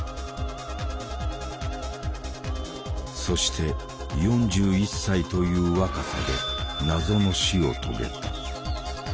そして４１歳という若さで謎の死を遂げた。